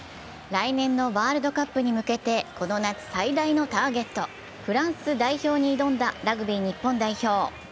来年のワールドカップに向けてこの夏最大のターゲット、フランス代表に挑んだラグビー日本代表。